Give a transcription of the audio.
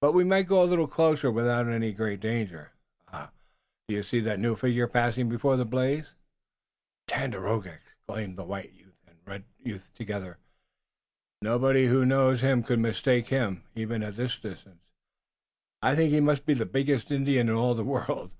But we might go a little closer without any great danger. Ah, do you see that new figure passing before the blaze?" "Tandakora!" exclaimed the white youth and the red youth together. "Nobody who knows him could mistake him, even at this distance. I think he must be the biggest Indian in all the world."